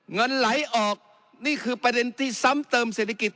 เงินไหลออกนี่คือประเด็นที่ซ้ำเติมเศรษฐกิจ